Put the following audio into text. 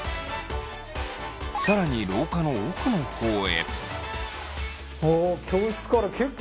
更に廊下の奥の方へ。